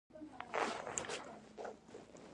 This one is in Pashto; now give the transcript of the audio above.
بلخ د افغان تصوف زړه دی.